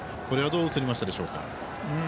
これはどう映りましたでしょうか。